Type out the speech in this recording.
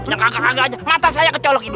nyangka kagak aja mata saya kecolok